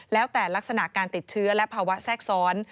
แล้วแต่ลักษณะการติดเชื้อและภาวะแทรกซ้อน